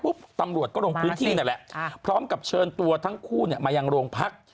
ตำรวจก็ลงพื้นที่นั่นแหละพร้อมกับเชิญตัวทั้งคู่มายังโรงพัก